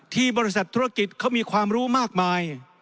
ที่บริษัทธุรกิจเขามีความรู้มากมาย